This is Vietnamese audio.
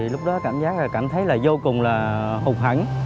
lúc đó cảm giác là cảm thấy vô cùng là hụt hại